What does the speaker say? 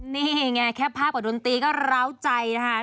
นี่ไงแค่ภาพกับดนตรีก็ร้าวใจนะคะ